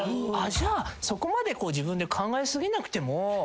じゃあそこまで自分で考えすぎなくても。